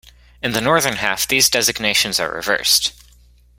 In the northern half, these designations are reversed.